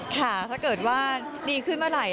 ถ้าเกิดว่าดีขึ้นเมื่อไหร่